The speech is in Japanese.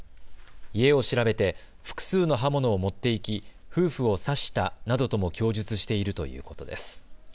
家を調べて複数の刃物を持って行き夫婦を刺したなどとも供述しているということです。